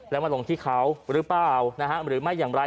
แล้วมาลงที่เขาหรือเปล่าหรือไม่อย่างไร